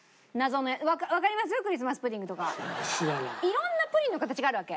色んなプリンの形があるわけ。